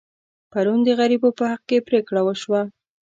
پرون د غریبو په حق کې پرېکړه وشوه.